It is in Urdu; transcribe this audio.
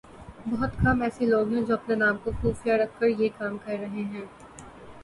بہت کم ایسے لوگ ہیں جو اپنے نام کو خفیہ رکھ کر یہ کام کررہے ہیں